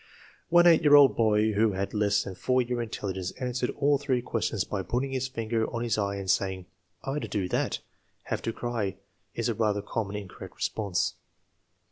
One 8 year old boy who had less than 4 year intelligence answered all three questions by putting his finger on his eye and saying: " I 'd do that." " Have to cry " is a rather common in correct response.